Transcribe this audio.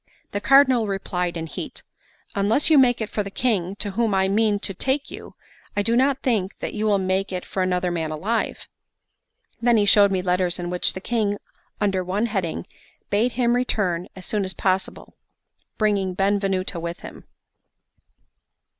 The Cardinal replied in heat: "Unless you make if for the King, to whom I mean to take you, I do not think that you will make it for another man alive." Then he showed me letters in which the King, under one heading, bade him return as soon as possible, bringing Benvenuto with him.